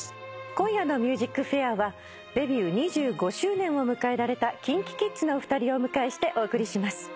今夜の『ＭＵＳＩＣＦＡＩＲ』はデビュー２５周年を迎えられたＫｉｎＫｉＫｉｄｓのお二人をお迎えしてお送りします。